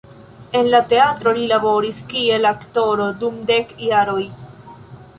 En la teatro li laboris kiel aktoro dum dek jaroj.